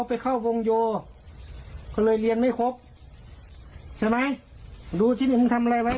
ไปเข้าวงโยก็เลยเรียนไม่ครบใช่ไหมดูสินี่มึงทำอะไรไว้